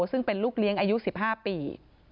ซึ่งเป็นลูกเลี้ยงอายุ๑๕ปี